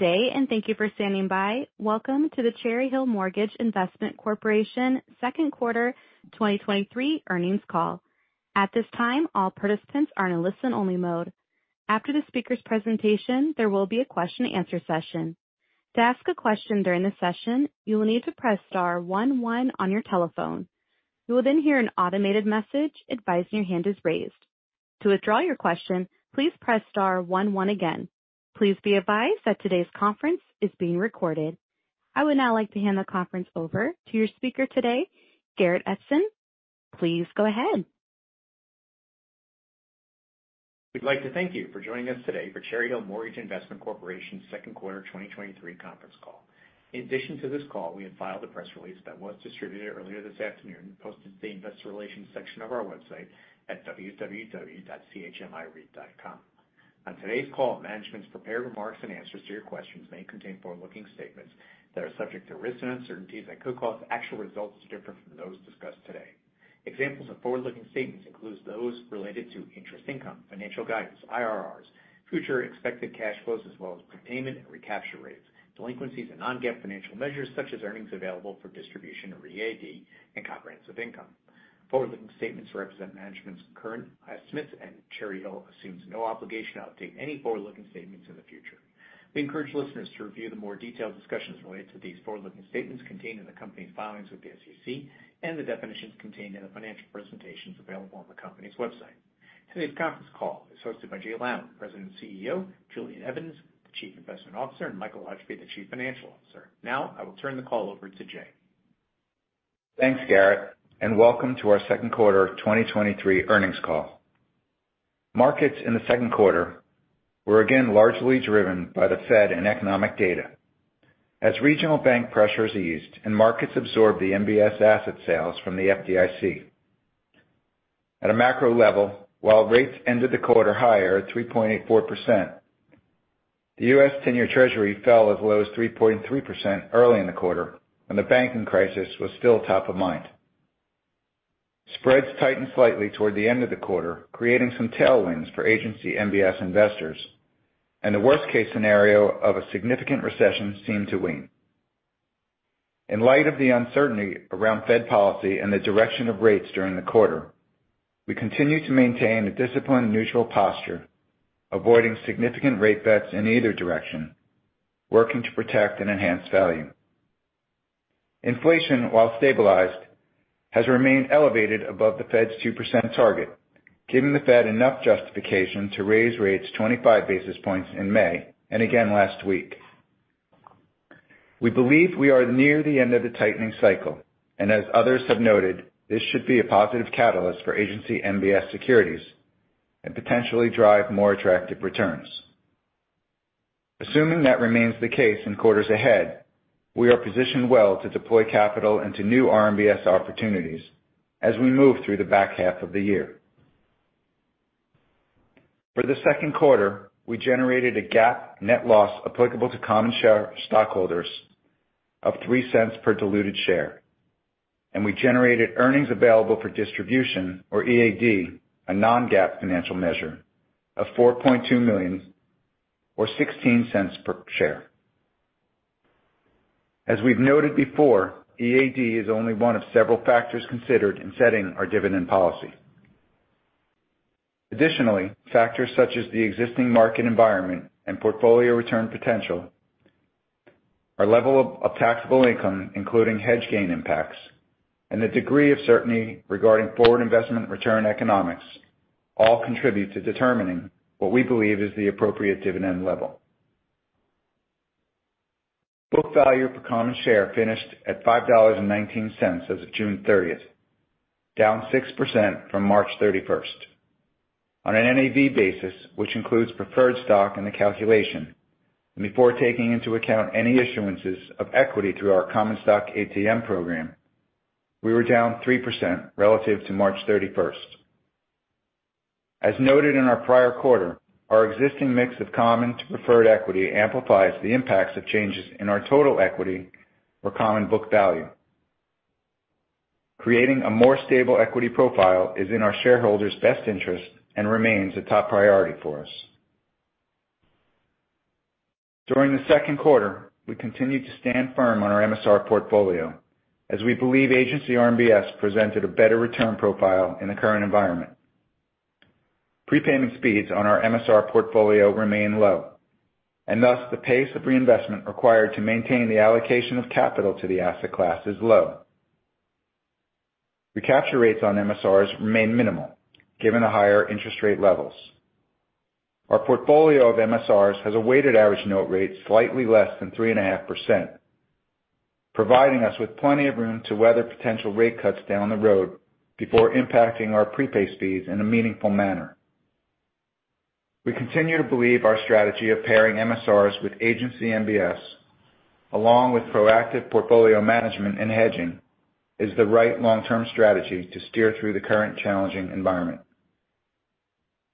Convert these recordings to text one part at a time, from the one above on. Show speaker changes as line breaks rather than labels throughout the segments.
Good day and thank you for standing by. Welcome to the Cherry Hill Mortgage Investment Corporation Second Quarter 2023 Earnings Call. At this time, all participants are in a listen-only mode. After the speaker's presentation, there will be a question and answer session. To ask a question during the session, you will need to press star one one on your telephone. You will then hear an automated message advising your hand is raised. To withdraw your question, please press star one one again. Please be advised that today's conference is being recorded. I would now like to hand the conference over to your speaker today, Garrett Edson. Please go ahead.
We'd like to thank you for joining us today for Cherry Hill Mortgage Investment Corporation's Second Quarter 2023 Conference Call. In addition to this call, we have filed a press release that was distributed earlier this afternoon and posted to the Investor Relations section of our website at www.chmireit.com. On today's call, management's prepared remarks and answers to your questions may contain forward-looking statements that are subject to risks and uncertainties that could cause actual results to differ from those discussed today. Examples of forward-looking statements includes those related to interest income, financial guidance, IRRs, future expected cash flows, as well as prepayment and recapture rates, delinquencies, and non-GAAP financial measures, such as earnings available for distribution, or EAD, and comprehensive income. Forward-looking statements represent management's current estimates, and Cherry Hill assumes no obligation to update any forward-looking statements in the future. We encourage listeners to review the more detailed discussions related to these forward-looking statements contained in the company's filings with the SEC and the definitions contained in the financial presentations available on the company's website. Today's conference call is hosted by Jay Lown, President and CEO, Julian Evans, the Chief Investment Officer, and Michael Hutchby, the Chief Financial Officer. I will turn the call over to Jay.
Thanks, Garrett, and welcome to our Second Quarter 2023 Earnings Call. Markets in the second quarter were again largely driven by the Fed and economic data. As regional bank pressures eased and markets absorbed the MBS asset sales from the FDIC. At a macro level, while rates ended the quarter higher at 3.84%, the U.S. 10-Year Treasury fell as low as 3.3% early in the quarter, when the banking crisis was still top of mind. Spreads tightened slightly toward the end of the quarter, creating some tailwinds for agency MBS investors, and the worst-case scenario of a significant recession seemed to wane. In light of the uncertainty around Fed policy and the direction of rates during the quarter, we continue to maintain a disciplined and neutral posture, avoiding significant rate bets in either direction, working to protect and enhance value. Inflation, while stabilized, has remained elevated above the Fed's 2% target, giving the Fed enough justification to raise rates 25 basis points in May and again last week. We believe we are near the end of the tightening cycle, and as others have noted, this should be a positive catalyst for agency MBS securities and potentially drive more attractive returns. Assuming that remains the case in quarters ahead, we are positioned well to deploy capital into new RMBS opportunities as we move through the back half of the year. For the second quarter, we generated a GAAP net loss applicable to common share stockholders of $0.03 per diluted share, and we generated earnings available for distribution, or EAD, a non-GAAP financial measure, of $4.2 million, or $0.16 per share. As we've noted before, EAD is only one of several factors considered in setting our dividend policy. Additionally, factors such as the existing market environment and portfolio return potential, our level of taxable income, including hedge gain impacts, and the degree of certainty regarding forward investment return economics, all contribute to determining what we believe is the appropriate dividend level. Book value per common share finished at $5.19 as of June 30th, down 6% from March 31st. Before taking into account any issuances of equity through our common stock ATM program, we were down 3% relative to March 31st. As noted in our prior quarter, our existing mix of common to preferred equity amplifies the impacts of changes in our total equity or common book value. Creating a more stable equity profile is in our shareholders' best interest and remains a top priority for us. During the second quarter, we continued to stand firm on our MSR portfolio, as we believe agency RMBS presented a better return profile in the current environment. Prepayment speeds on our MSR portfolio remain low, and thus, the pace of reinvestment required to maintain the allocation of capital to the asset class is low. Recapture rates on MSRs remain minimal, given the higher interest rate levels. Our portfolio of MSRs has a weighted average note rate slightly less than 3.5%, providing us with plenty of room to weather potential rate cuts down the road before impacting our prepay speeds in a meaningful manner. We continue to believe our strategy of pairing MSRs with agency MBS, along with proactive portfolio management and hedging, is the right long-term strategy to steer through the current challenging environment.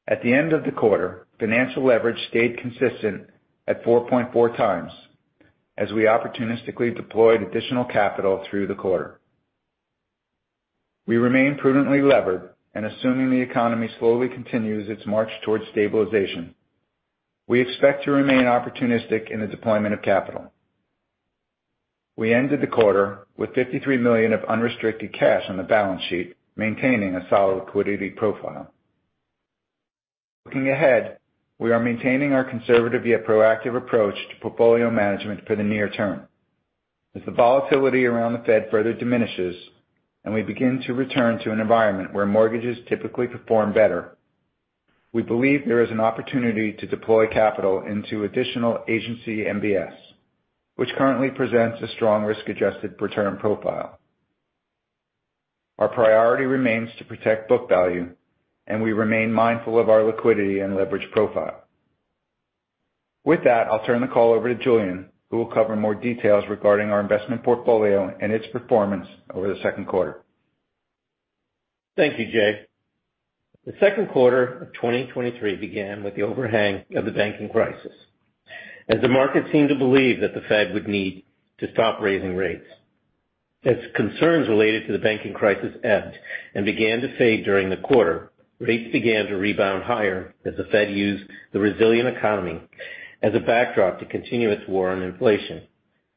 At the end of the quarter, financial leverage stayed consistent at 4.4 times, as we opportunistically deployed additional capital through the quarter. We remain prudently levered and assuming the economy slowly continues its march towards stabilization. We expect to remain opportunistic in the deployment of capital. We ended the quarter with $53 million of unrestricted cash on the balance sheet, maintaining a solid liquidity profile. Looking ahead, we are maintaining our conservative yet proactive approach to portfolio management for the near term. As the volatility around the Fed further diminishes and we begin to return to an environment where mortgages typically perform better, we believe there is an opportunity to deploy capital into additional agency MBS, which currently presents a strong risk-adjusted return profile. Our priority remains to protect book value, and we remain mindful of our liquidity and leverage profile. With that, I'll turn the call over to Julian, who will cover more details regarding our investment portfolio and its performance over the second quarter.
Thank you, Jay. The second quarter of 2023 began with the overhang of the banking crisis, as the market seemed to believe that the Fed would need to stop raising rates. As concerns related to the banking crisis ebbed and began to fade during the quarter, rates began to rebound higher as the Fed used the resilient economy as a backdrop to continue its war on inflation,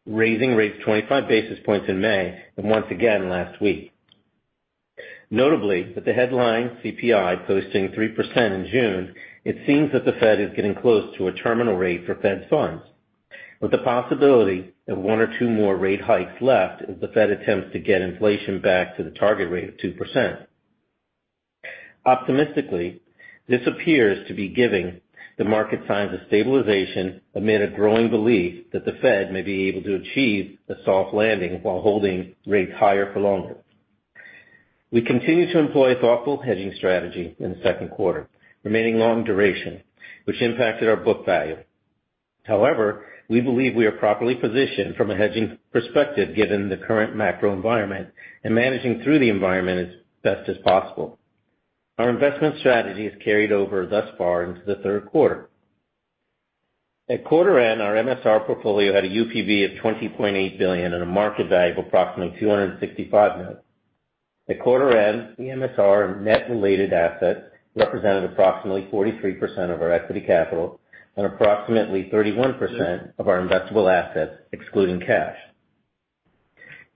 raising rates 25 basis points in May and once again last week. Notably, with the headline CPI posting 3% in June, it seems that the Fed is getting close to a terminal rate for Fed funds, with the possibility of one or two more rate hikes left as the Fed attempts to get inflation back to the target rate of 2%. Optimistically, this appears to be giving the market signs of stabilization amid a growing belief that the Fed may be able to achieve a soft landing while holding rates higher for longer. We continued to employ a thoughtful hedging strategy in the second quarter, remaining long duration, which impacted our book value. However, we believe we are properly positioned from a hedging perspective, given the current macro environment and managing through the environment as best as possible. Our investment strategy has carried over thus far into the third quarter. At quarter end, our MSR portfolio had a UPB of $20.8 billion and a market value of approximately $265 million. At quarter end, the MSR net related assets represented approximately 43% of our equity capital and approximately 31% of our investable assets, excluding cash.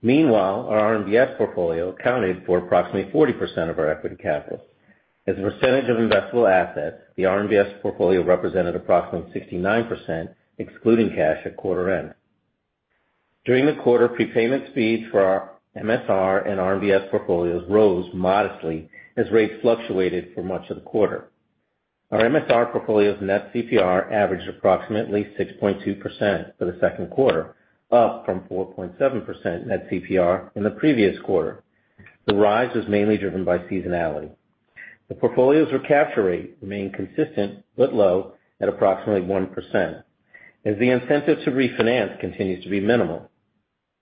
Meanwhile, our RMBS portfolio accounted for approximately 40% of our equity capital. As a percentage of investable assets, the RMBS portfolio represented approximately 69%, excluding cash at quarter end. During the quarter, prepayment speeds for our MSR and RMBS portfolios rose modestly as rates fluctuated for much of the quarter. Our MSR portfolio's net CPR averaged approximately 6.2% for the second quarter, up from 4.7% net CPR in the previous quarter. The rise was mainly driven by seasonality. The portfolio's recapture rate remained consistent, but low, at approximately 1%, as the incentive to refinance continues to be minimal.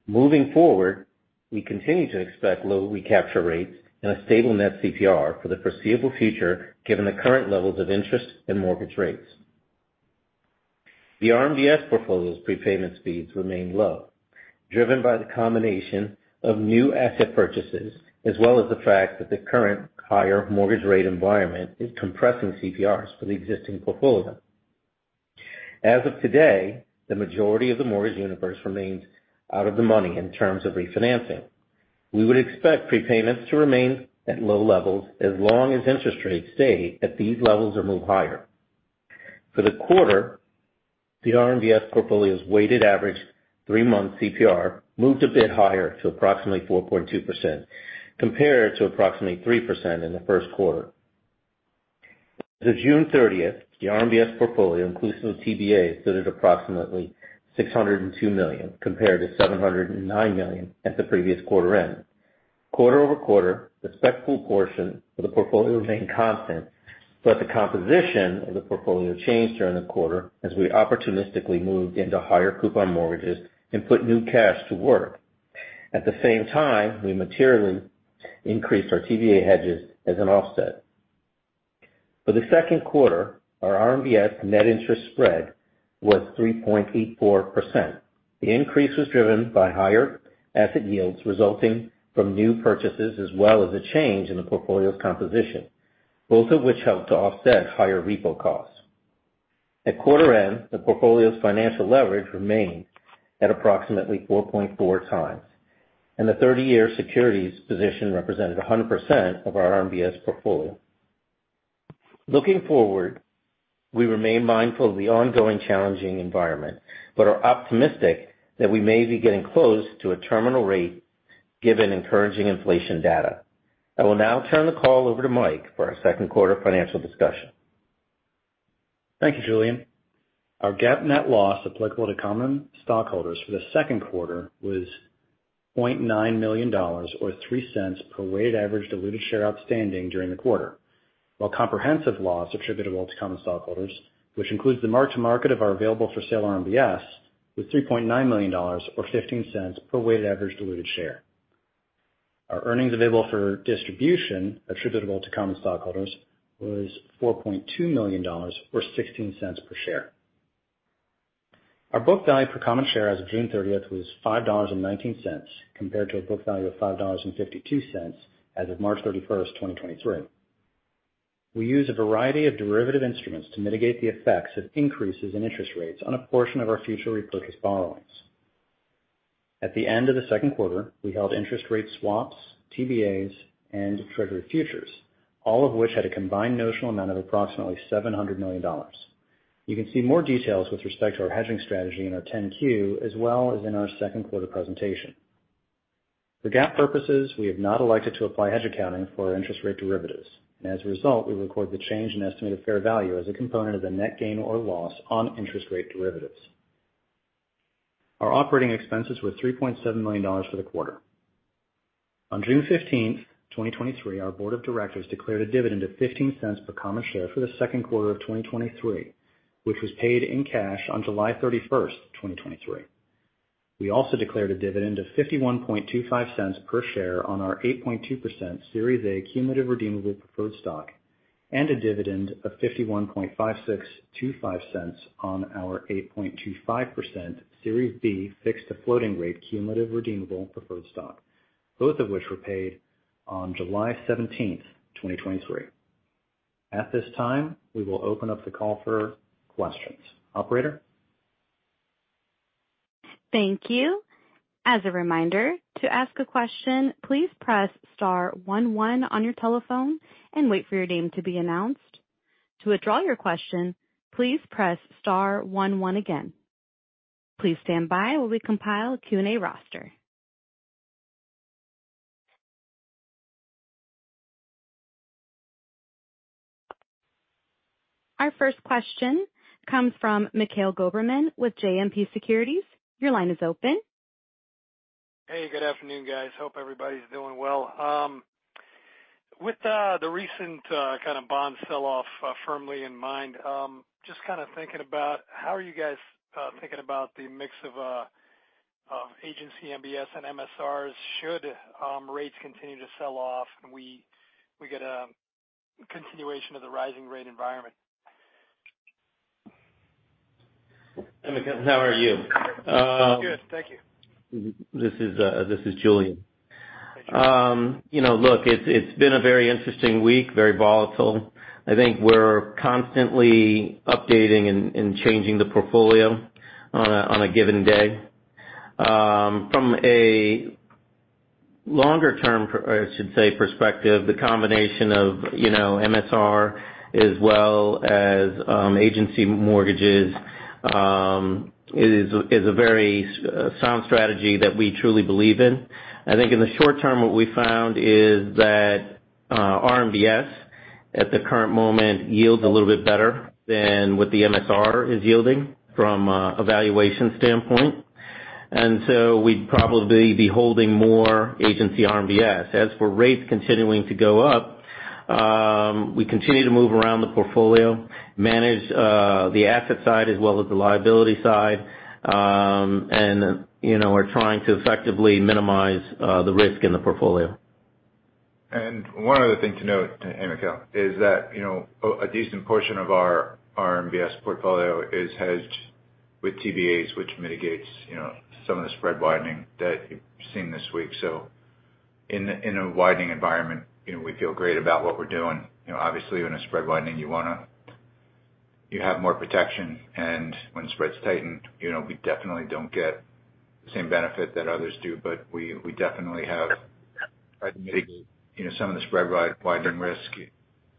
Moving forward, we continue to expect low recapture rates and a stable net CPR for the foreseeable future, given the current levels of interest and mortgage rates. The RMBS portfolio's prepayment speeds remain low, driven by the combination of new asset purchases, as well as the fact that the current higher mortgage rate environment is compressing CPRs for the existing portfolio. As of today, the majority of the mortgage universe remains out of the money in terms of refinancing. We would expect prepayments to remain at low levels as long as interest rates stay at these levels or move higher. For the quarter, the RMBS portfolio's weighted average three-month CPR moved a bit higher to approximately 4.2%, compared to approximately 3% in the first quarter. As of June 30th, the RMBS portfolio, inclusive of TBA, stood at approximately $602 million, compared to $709 million at the previous quarter end. Quarter-over-quarter, the spec pool portion of the portfolio remained constant, but the composition of the portfolio changed during the quarter as we opportunistically moved into higher coupon mortgages and put new cash to work. At the same time, we materially increased our TBA hedges as an offset. For the second quarter, our RMBS net interest spread was 3.84%. The increase was driven by higher asset yields resulting from new purchases, as well as a change in the portfolio's composition, both of which helped to offset higher repo costs. At quarter end, the portfolio's financial leverage remained at approximately 4.4 times, and the thirty-year securities position represented 100% of our RMBS portfolio. Looking forward, we remain mindful of the ongoing challenging environment, but are optimistic that we may be getting close to a terminal rate, given encouraging inflation data. I will now turn the call over to Mike for our second quarter financial discussion.
Thank you, Julian. Our GAAP net loss applicable to common stockholders for the second quarter was $0.9 million or $0.03 per weighted average diluted share outstanding during the quarter, while comprehensive loss attributable to common stockholders, which includes the mark to market of our available for sale RMBS, was $3.9 million, or $0.15 per weighted average diluted share. Our earnings available for distribution attributable to common stockholders was $4.2 million, or $0.16 per share. Our book value per common share as of June 30th was $5.19, compared to a book value of $5.52 as of March 31st, 2023. We use a variety of derivative instruments to mitigate the effects of increases in interest rates on a portion of our future repurchase borrowings. At the end of the second quarter, we held interest rate swaps, TBAs, and Treasury futures, all of which had a combined notional amount of approximately $700 million. You can see more details with respect to our hedging strategy in our 10-Q, as well as in our second quarter presentation. For GAAP purposes, we have not elected to apply hedge accounting for our interest rate derivatives. As a result, we record the change in estimated fair value as a component of the net gain or loss on interest rate derivatives. Our operating expenses were $3.7 million for the quarter. On June 15th, 2023, our board of directors declared a dividend of $0.15 per common share for the 2Q 2023, which was paid in cash on July 31st, 2023. We also declared a dividend of $0.5125 per share on our 8.2% Series A Cumulative Redeemable Preferred Stock, and a dividend of $0.515625 on our 8.25% Series B Fixed-to-Floating Rate Cumulative Redeemable Preferred Stock, both of which were paid on July 17th, 2023. At this time, we will open up the call for questions. Operator?
Thank you. As a reminder, to ask a question, please press star one one on your telephone and wait for your name to be announced. To withdraw your question, please press star one one again. Please stand by while we compile a Q&A roster. Our first question comes from Mikhail Goberman with JMP Securities. Your line is open.
Hey, good afternoon, guys. Hope everybody's doing well. With the recent kind of bond sell-off firmly in mind, just kind of thinking about how are you guys thinking about the mix of of agency MBS and MSRs should rates continue to sell off and we, we get a continuation of the rising rate environment?
Hi, Mikhail, how are you?
Good. Thank you.
This is, this is Julian.
Thank you.
You know, look, it's, it's been a very interesting week, very volatile. I think we're constantly updating and, and changing the portfolio on a, on a given day. From a longer term perspective, the combination of, you know, MSR as well as agency mortgages is, is a very sound strategy that we truly believe in. I think in the short term, what we found is that RMBS, at the current moment, yields a little bit better than what the MSR is yielding from a valuation standpoint. We'd probably be holding more agency RMBS. As for rates continuing to go up, we continue to move around the portfolio, manage the asset side as well as the liability side, and, you know, we're trying to effectively minimize the risk in the portfolio.
One other thing to note, Mikhail, is that, you know, a, a decent portion of our RMBS portfolio is hedged with TBAs, which mitigates, you know, some of the spread widening that you've seen this week. In a, in a widening environment, you know, we feel great about what we're doing. You know, obviously, in a spread widening, you have more protection, and when spreads tighten, you know, we definitely don't get the same benefit that others do, but we, we definitely have, you know, some of the spread widening risk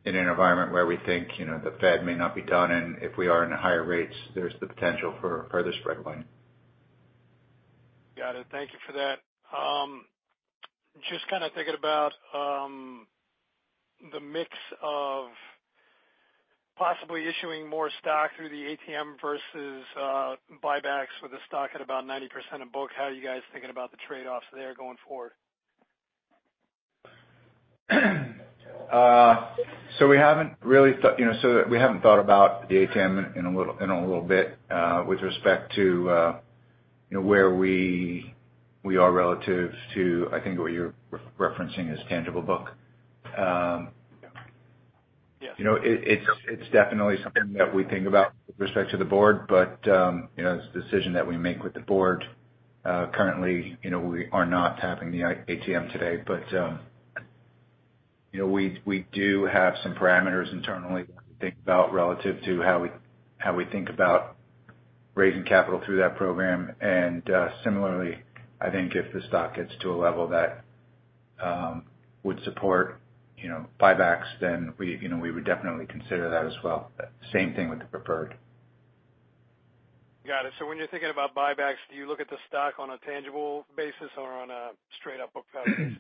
in an environment where we think, you know, the Fed may not be done, and if we are in higher rates, there's the potential for further spread widening.
Got it. Thank you for that. Just kind of thinking about the mix of possibly issuing more stock through the ATM versus buybacks with the stock at about 90% of book. How are you guys thinking about the trade-offs there going forward?
We haven't really you know, so we haven't thought about the ATM in a little, in a little bit, with respect to, you know, where we, we are relative to, I think what you're referencing as tangible book.
Yes.
You know, it, it's, it's definitely something that we think about with respect to the board, but, you know, it's a decision that we make with the board. Currently, you know, we are not tapping the ATM today, but, you know, we, we do have some parameters internally to think about relative to how we, how we think about raising capital through that program. Similarly, I think if the stock gets to a level that would support, you know, buybacks, then we, you know, we would definitely consider that as well. Same thing with the preferred.
Got it. When you're thinking about buybacks, do you look at the stock on a tangible basis or on a straight up book value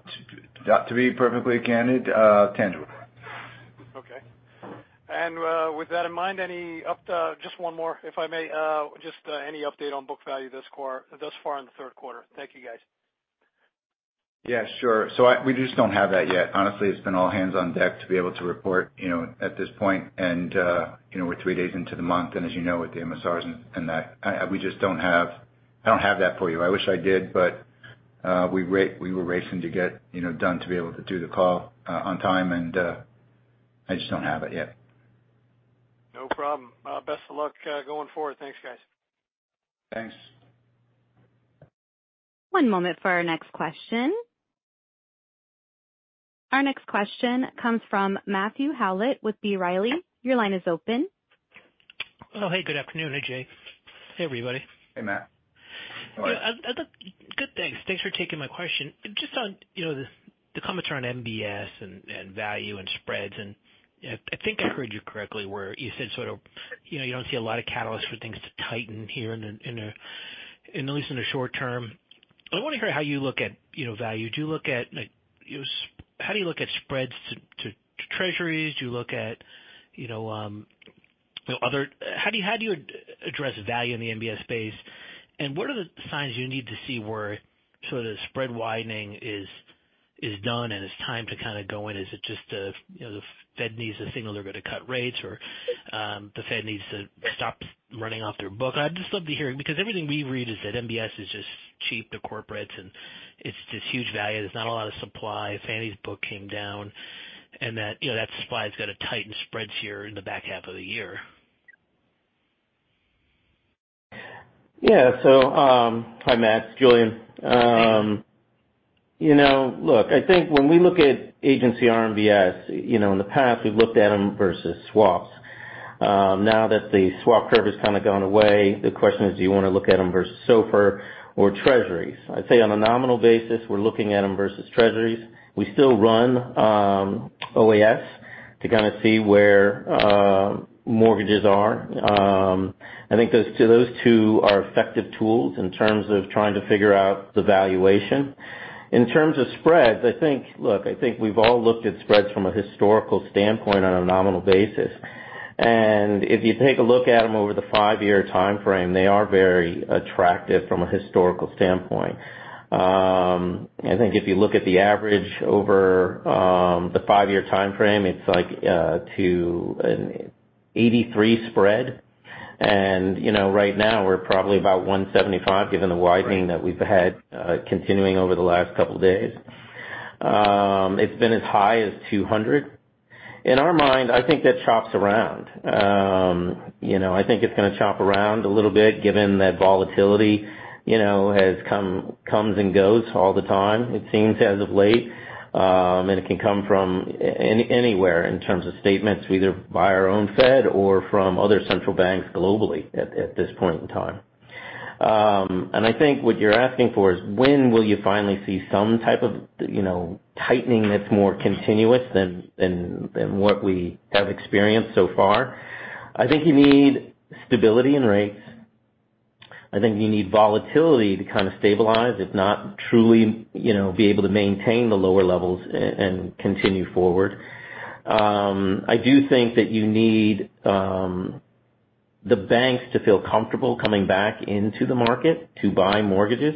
basis?
To, to be perfectly candid, tangible.
Okay. with that in mind, any up- just one more, if I may. just, any update on book value this quar- thus far in the third quarter? Thank you, guys.
Yeah, sure. We just don't have that yet. Honestly, it's been all hands on deck to be able to report, you know, at this point. You know, we're three days into the month, and as you know, with the MSRs and that, we just don't have. I don't have that for you. I wish I did.
We race, we were racing to get, you know, done to be able to do the call, on time. I just don't have it yet.
No problem. Best of luck going forward. Thanks, guys.
Thanks.
One moment for our next question. Our next question comes from Matthew Howlett with B. Riley. Your line is open.
Oh, hey, good afternoon. Hey, Jay. Hey, everybody.
Hey, Matt.
Good. good, thanks. Thanks for taking my question. Just on, you know, the, the comments are on MBS and, and value and spreads, and, you know, I think I heard you correctly where you said sort of, you know, you don't see a lot of catalyst for things to tighten here in the, in the, at least in the short term. I want to hear how you look at, you know, value. Do you look at, like, you know, how do you look at spreads to, to Treasuries? Do you look at, you know, you know, other. How do you, how do you address value in the MBS space? What are the signs you need to see where sort of spread widening is, is done, and it's time to kind of go in? Is it just a, you know, the Fed needs to signal they're going to cut rates or, the Fed needs to stop running off their book? I'd just love to hear, because everything we read is that MBS is just cheap to corporates, and it's just huge value. There's not a lot of supply. Fannie's book came down, and that, you know, that supply is going to tighten spreads here in the back half of the year.
Yeah. Hi, Matt, it's Julian. You know, look, I think when we look at agency RMBS, you know, in the past, we've looked at them versus swaps. Now that the swap curve has kind of gone away, the question is, do you want to look at them versus SOFR or Treasuries? I'd say on a nominal basis, we're looking at them versus Treasuries. We still run OAS to kind of see where mortgages are. I think those two, those two are effective tools in terms of trying to figure out the valuation. In terms of spreads, I think. Look, I think we've all looked at spreads from a historical standpoint on a nominal basis, and if you take a look at them over the five-year timeframe, they are very attractive from a historical standpoint. I think if you look at the average over the five-year timeframe, it's like, to an 83 spread. You know, right now we're probably about 175, given the widening that we've had, continuing over the last couple days. It's been as high as 200. In our mind, I think that chops around. You know, I think it's going to chop around a little bit, given that volatility, you know, comes and goes all the time, it seems, as of late. It can come from anywhere in terms of statements, either by our own Fed or from other central banks globally at this point in time. And I think what you're asking for is when will you finally see some type of, you know, tightening that's more continuous than, than, than what we have experienced so far? I think you need stability in rates. I think you need volatility to kind of stabilize, if not truly, you know, be able to maintain the lower levels and continue forward. I do think that you need the banks to feel comfortable coming back into the market to buy mortgages.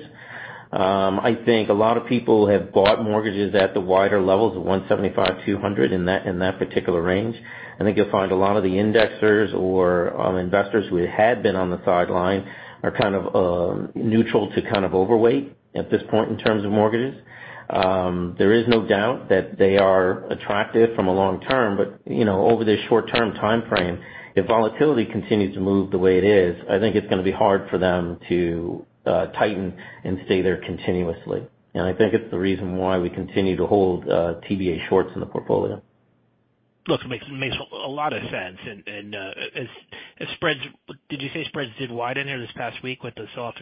I think a lot of people have bought mortgages at the wider levels of 175, 200, in that, in that particular range. I think you'll find a lot of the indexers or investors who had been on the sideline are kind of neutral to kind of overweight at this point in terms of mortgages. There is no doubt that they are attractive from a long term, but, you know, over this short-term timeframe, if volatility continues to move the way it is, I think it's going to be hard for them to tighten and stay there continuously. I think it's the reason why we continue to hold TBA shorts in the portfolio.
Look, it makes, makes a lot of sense. And, as, as spreads, did you say spreads did widen here this past week with the soft?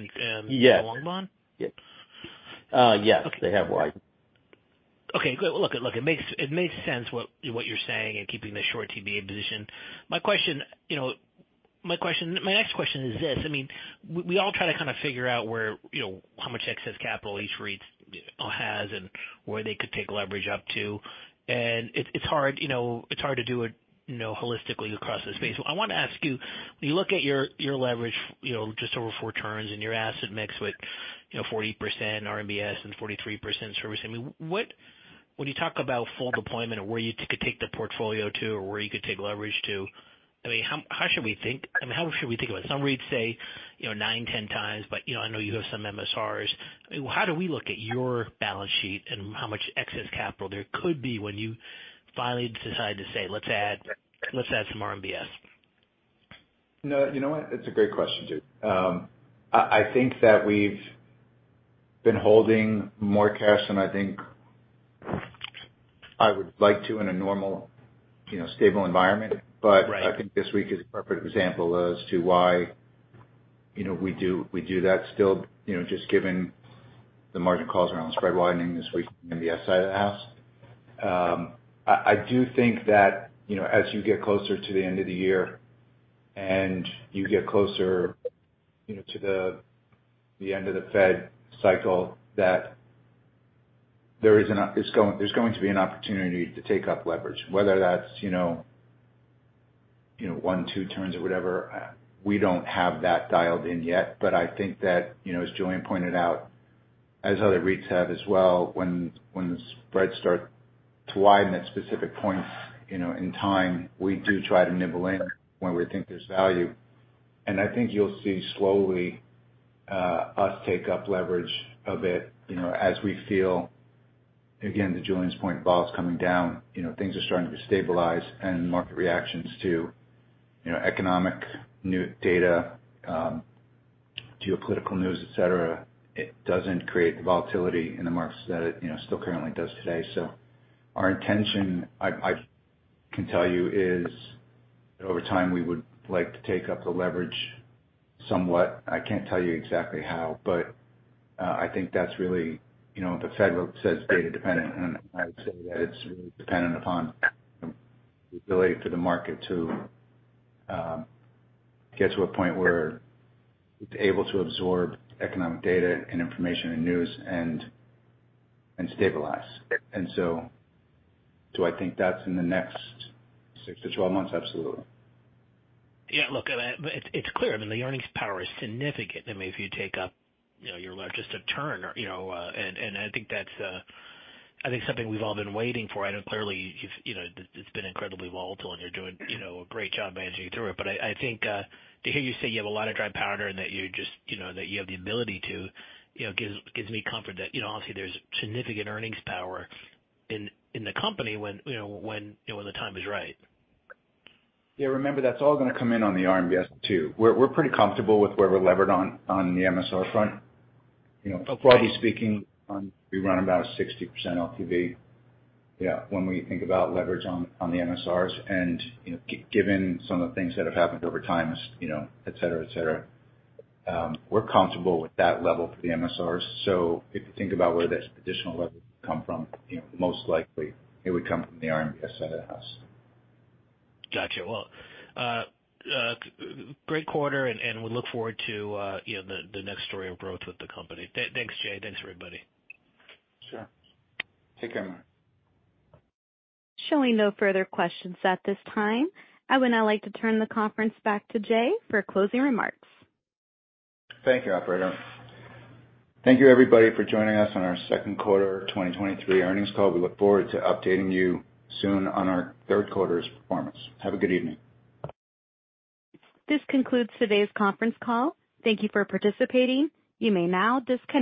Yes.
long bond?
Yes. Yes, they have widened.
Okay, good. Look, look, it makes, it makes sense what, what you're saying and keeping the short TBA position. My question, you know, my question, my next question is this: I mean, we, we all try to kind of figure out where, you know, how much excess capital each REITs has and where they could take leverage up to. It, it's hard, you know, it's hard to do it, you know, holistically across the space. I want to ask you, when you look at your, your leverage, you know, just over four turns and your asset mix with, you know, 40% RMBS and 43% servicing, I mean, what, when you talk about full deployment or where you could take the portfolio to or where you could take leverage to, I mean, how, how should we think? I mean, how should we think about it? Some REITs say, you know, nine, 10 times, but, you know, I know you have some MSRs. I mean, how do we look at your balance sheet and how much excess capital there could be when you finally decide to say, "Let's add, let's add some RMBS?
No, you know what? It's a great question, too. I, I think that we've been holding more cash than I think I would like to in a normal, you know, stable environment.
Right.
I think this week is a perfect example as to why, you know, we do, we do that still, you know, just given the margin calls around spread widening this week on the MBS side of the house. I, I do think that, you know, as you get closer to the end of the year, and you get closer, you know, to the, the end of the Fed cycle, that there is an opportunity to take up leverage, whether that's, you know, you know, one, two turns or whatever, we don't have that dialed in yet. I think that, you know, as Julian pointed out, as other REITs have as well, when, when the spreads start to widen at specific points, you know, in time, we do try to nibble in when we think there's value. I think you'll see slowly, us take up leverage a bit, you know, as we feel, again, to Julian's point, the ball's coming down. You know, things are starting to stabilize and market reactions to, you know, economic new data, geopolitical news, et cetera, it doesn't create the volatility in the markets that it, you know, still currently does today. Our intention, I, I can tell you, is over time, we would like to take up the leverage somewhat. I can't tell you exactly how, but, I think that's really, you know, the Fed says data dependent, and I would say that it's really dependent upon the ability for the market to get to a point where it's able to absorb economic data and information and news and, and stabilize. Do I think that's in the next six to 12 months? Absolutely.
Yeah, look, but it's, it's clear, I mean, the earnings power is significant. I mean, if you take up, you know, your largest of turn, you know, and, and I think that's, I think something we've all been waiting for. I know clearly you know, it's been incredibly volatile, and you're doing, you know, a great job managing through it. I, I think, to hear you say you have a lot of dry powder and that you're just, you know, that you have the ability to, you know, gives, gives me comfort that, you know, obviously there's significant earnings power in, in the company when, you know, when, you know, the time is right.
Yeah, remember, that's all gonna come in on the RMBS too. We're, we're pretty comfortable with where we're levered on, on the MSR front. You know, broadly speaking, we run about a 60% LTV. Yeah, when we think about leverage on, on the MSRs and, you know, given some of the things that have happened over time, as you know, et cetera, et cetera, we're comfortable with that level for the MSRs. If you think about where this additional level would come from, you know, most likely it would come from the RMBS side of the house.
Gotcha. Well, great quarter, and we look forward to, you know, the, the next story of growth with the company. Thanks, Jay. Thanks, everybody.
Sure. Take care, Matt.
Showing no further questions at this time, I would now like to turn the conference back to Jay for closing remarks.
Thank you, operator. Thank you, everybody, for joining us on our second quarter 2023 earnings call. We look forward to updating you soon on our third quarter's performance. Have a good evening.
This concludes today's conference call. Thank you for participating. You may now disconnect.